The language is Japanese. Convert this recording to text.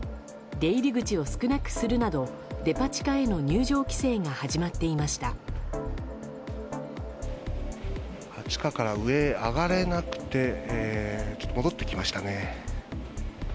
出入り口を少なくするなどデパ地下への入場規制が始まっていました。